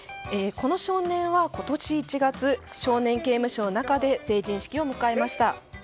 この少年は今年１月少年刑務所の中で成人式を迎えました。